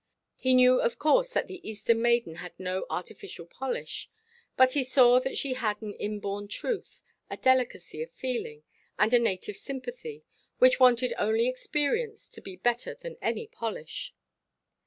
He knew, of course, that the Eastern maiden had no artificial polish; but he saw that she had an inborn truth, a delicacy of feeling, and a native sympathy, which wanted only experience to be better than any polish.